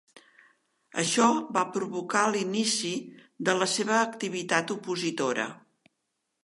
Això va provocar l'inici de la seva activitat opositora.